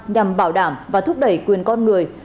nhằm bảo đảm và thúc đẩy quyền con người